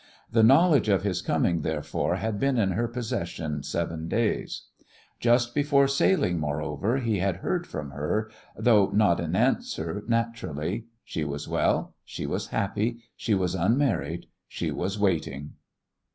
The knowledge of his coming, therefore, had been in her possession seven days. Just before sailing, moreover, he had heard from her though not in answer, naturally. She was well; she was happy; she was unmarried; she was waiting.